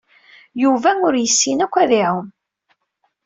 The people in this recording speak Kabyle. Yuba ur yessin akk ad iɛum.